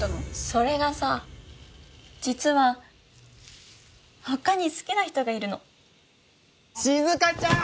それがさ実は他に好きな人がいるの静香ちゃーん